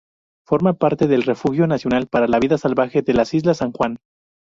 Forma parte del Refugio Nacional para la Vida Salvaje de las Islas San Juan.